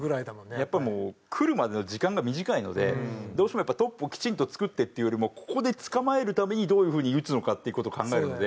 やっぱりもうくるまでの時間が短いのでどうしてもやっぱりトップをきちんと作ってっていうよりもここで捕まえるためにどういう風に打つのかっていう事を考えるので。